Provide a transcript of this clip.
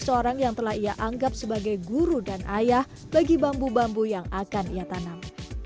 seorang yang telah ia anggap sebagai guru dan ayah bagi bambu bambu yang akan ia tanam